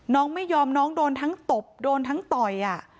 น้องไม่ยอมน้องโดนทั้งตบโดนทั้งต่อย